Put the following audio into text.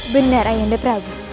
benar ayanda prabu